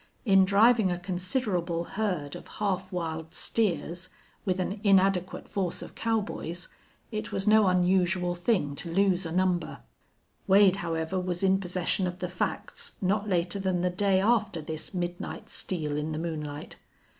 In driving a considerable herd of half wild steers, with an inadequate force of cowboys, it was no unusual thing to lose a number. Wade, however, was in possession of the facts not later than the day after this midnight steal in the moonlight.